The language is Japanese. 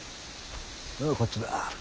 こっちだ。